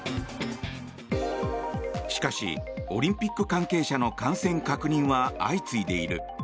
しかし、オリンピック関係者の感染確認は相次いでいる。